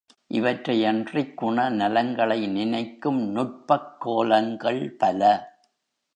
இவற்றையன்றிக் குணநலங்களை நினைக்கும் நுட்பக் கோலங்கள் பல.